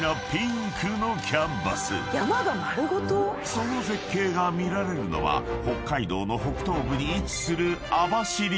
［その絶景が見られるのは北海道の北東部に位置する］